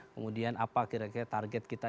kemudian apa kira kira target kita